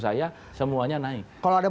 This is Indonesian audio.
saya semuanya naik kalau ada